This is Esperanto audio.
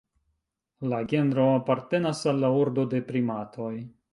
La genro apartenas al la ordo de primatoj.